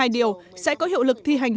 năm mươi hai điều sẽ có hiệu lực thi hành